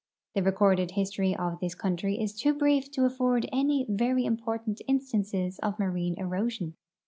The recorded history of this country is too brief to afford any very important instances of marine erosion.